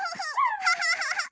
ハハハハ！